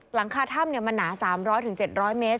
หลังคาถ้ำมันหนา๓๐๐๗๐๐เมตร